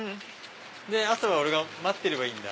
あとは俺が待ってればいいんだ。